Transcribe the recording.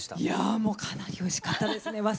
いやぁかなりおいしかったですね。